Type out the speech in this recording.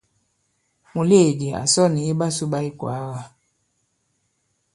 Mùleèdi à sɔ nì iɓasū ɓa ikwàaga.